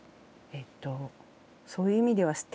えっとそういう意味では。